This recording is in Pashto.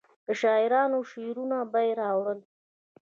د شاعرانو شعرونه به یې راوړل.